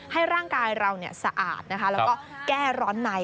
ให้ร่างกายเราสะอาดนะคะแล้วก็แก้ร้อนใน